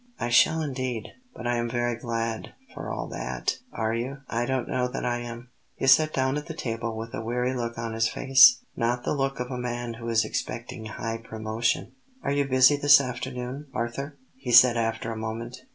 "I shall indeed; but I am very glad, for all that." "Are you? I don't know that I am." He sat down at the table with a weary look on his face; not the look of a man who is expecting high promotion. "Are you busy this afternoon, Arthur?" he said after a moment.